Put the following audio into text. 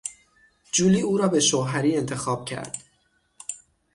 جولی او را به شوهری انتخاب کرد.